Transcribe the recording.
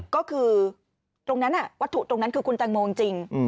ก็คือตรงนั้นวัตถุตรงนั้นคือคุณแตงโมจริง